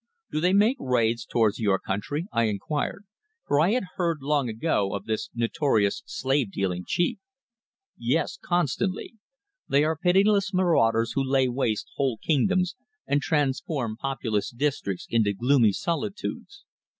"Do they make raids towards your country?" I inquired, for I had heard long ago of this notorious slave dealing chief. "Yes, constantly. They are pitiless marauders who lay waste whole kingdoms and transform populous districts into gloomy solitudes.